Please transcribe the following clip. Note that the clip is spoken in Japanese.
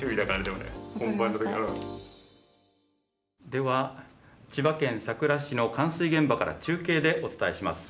では千葉県佐倉市の冠水現場から中継でお伝えします。